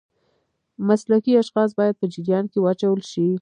مسلکي اشخاص باید په جریان کې واچول شي.